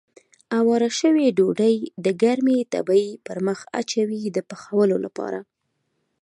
اواره شوې ډوډۍ د ګرمې تبۍ پر مخ اچوي د پخولو لپاره.